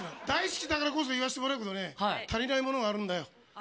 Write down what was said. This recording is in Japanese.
大好きだからこそ言わせてもらうけどね、足りないものがあるんだよ。